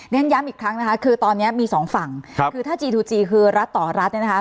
ย้ำอีกครั้งนะคะคือตอนนี้มีสองฝั่งครับคือถ้าจีทูจีคือรัฐต่อรัฐเนี่ยนะคะ